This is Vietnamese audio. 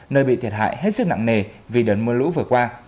nơi bị thiệt hại hết sức nặng nề vì đợt mưa lũ vừa qua